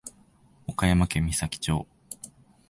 岡山県美咲町